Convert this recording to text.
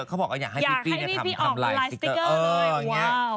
เขาบอกอยากให้พี่ปี้ออกไลน์สติ๊กเกอร์ด้วย